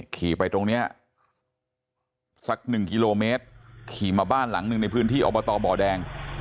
ขี่ไปตรงนี้สักหนึ่งกิโลเมตรขี่มาบ้านหลังหนึ่งในพื้นที่อบตบ่อแดง